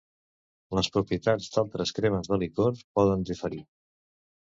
Les propietats d'altres cremes de licor poden diferir.